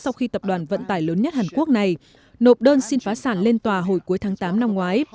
về lượng hàng lớn nhất hàn quốc này nộp đơn xin phá sản lên tòa hồi cuối tháng tám năm ngoái